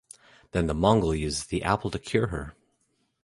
Then the Mongol uses the apple to cure her.